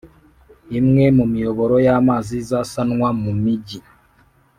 imwe mu miyoboro y'amazi izasanwa mu mijyi